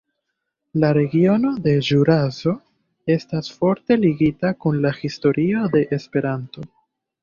La regiono de Ĵuraso estas forte ligita kun la historio de Esperanto.